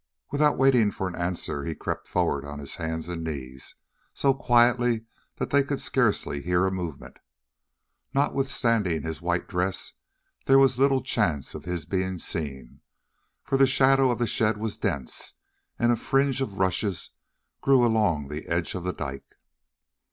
Without waiting for an answer, he crept forward on his hands and knees so quietly that they could scarcely hear a movement. Notwithstanding his white dress, there was little chance of his being seen, for the shadow of the shed was dense and a fringe of rushes grew along the edge of the dike.